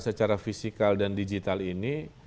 secara fisikal dan digital ini